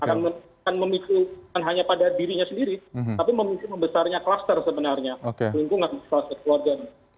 ke lingkungan kluster keluarganya